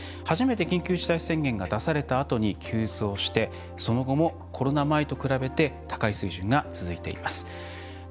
初めて緊急事態宣言が出されたあとに急増してその後もコロナ前と比べて高い水準が続いています。